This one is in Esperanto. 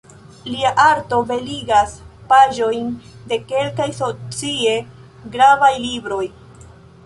Lia arto beligas paĝojn de kelkaj socie gravaj libroj.